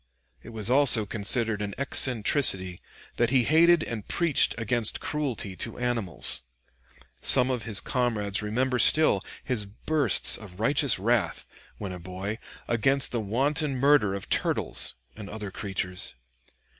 It was also considered an eccentricity that he hated and preached against cruelty to animals. Some of his comrades remember still his bursts of righteous wrath, when a boy, against the wanton murder of turtles and other creatures.